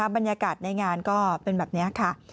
บรรยากาศในงานก็เป็นแบบนี้ค่ะ